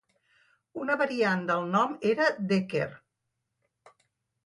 Una variant del nom era "Decherd".